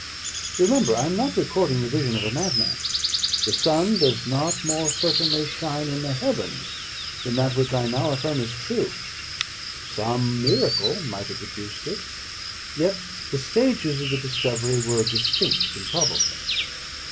Remember, I am not recording the vision of a madman. The sun does not more certainly shine in the heavens, than that which I now affirm is true. Some miracle might have produced it, yet the stages of the discovery were distinct and probable.